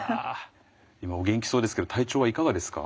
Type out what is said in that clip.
今お元気そうですけど体調はいかがですか？